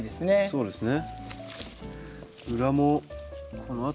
そうですね